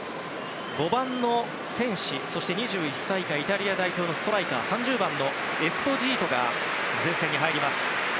５番のセンシそして２１歳以下日本代表のストライカー、３０番エスポジートが前線に入ります。